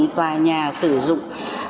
tòa nhà sử dụng